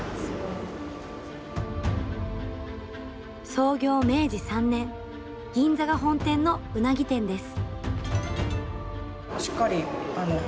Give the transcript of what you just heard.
創業、明治３年銀座が本店のうなぎ店です。